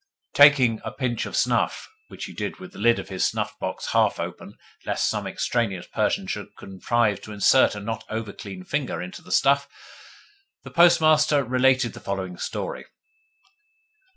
Taking a pinch of snuff (which he did with the lid of his snuff box half open, lest some extraneous person should contrive to insert a not over clean finger into the stuff), the Postmaster related the following story .